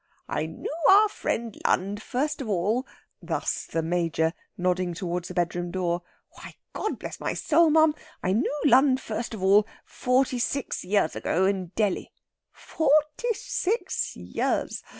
"I knoo our friend Lund first of all...." Thus the Major, nodding towards the bedroom door.... "Why, God bless my soul, ma'am, I knew Lund first of all, forty six years ago in Delhi. Forty six years!